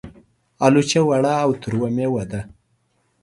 الوچه وړه او تروه مېوه ده.